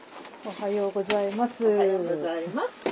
おはようございます。